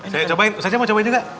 saya cobain ustaznya mau cobain juga